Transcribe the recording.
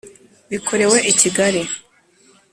Bikorewe I Kigali